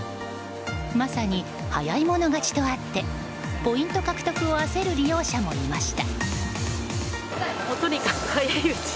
まさに早い者勝ちとあってポイント獲得を焦る利用者もいました。